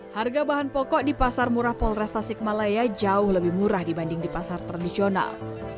harga bahan pokok di pasar murah polresta sikmalaya jauh lebih murah dibanding di pasar tradisional